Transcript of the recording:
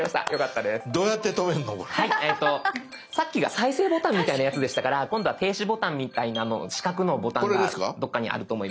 さっきが再生ボタンみたいなやつでしたから今度は停止ボタンみたいなの四角のボタンがどっかにあると思います。